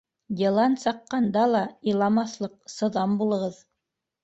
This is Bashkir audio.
Йылан саҡҡанда ла иламаҫлыҡ сыҙам булығыҙ.